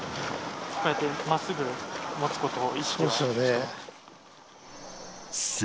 こうやって、まっすぐ持つことを意識はしてます。